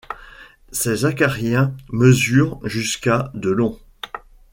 Ces acariens mesurent jusqu'à de long.